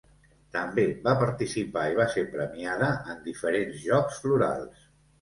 També va participar i va ser premiada en diferents Jocs Florals.